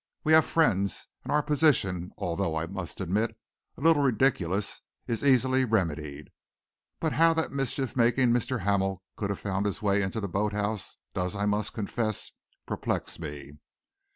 We have friends, and our position, although, I must admit, a little ridiculous, is easily remedied. But how that mischief making Mr. Hamel could have found his way into the boat house does, I must confess, perplex me."